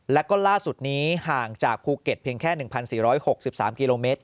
แล้วก็ล่าสุดนี้ห่างจากภูเก็ตเพียงแค่๑๔๖๓กิโลเมตร